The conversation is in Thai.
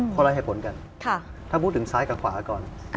เขาไล่ให้ผลกันถ้าพูดถึงซ้ายกับขวาก่อน